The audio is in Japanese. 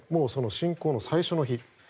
侵攻の最初の日。